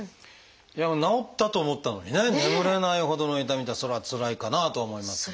治ったと思ったのにね眠れないほどの痛みっていうのはそれはつらいかなと思いますが。